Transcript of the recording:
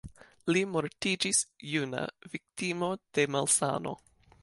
Li mortiĝis juna, viktimo de malsano.